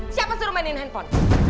siapa suruh mainin handphone